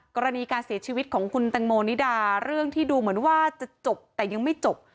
กรณีการเสียชีวิตของคุณแตงโมนิดาเรื่องที่ดูเหมือนว่าจะจบแต่ยังไม่จบ